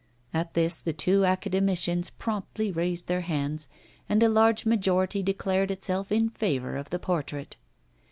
At this the two academicians promptly raised their hands, and a large majority declared itself in favour of the portrait.